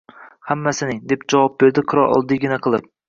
Hammasining, — deb javob berdi qirol oddiygina qilib.